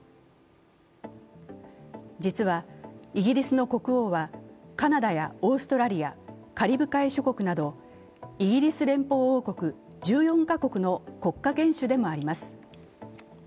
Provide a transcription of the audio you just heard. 実は、イギリスの国王は、カナダやオーストラリア、カリブ海諸国などイギリス連邦王国１４か国の国家元首でもあります。